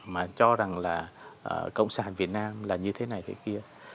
mà cho rằng là cộng sản việt nam là như thế này thế kia